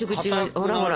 ほらほら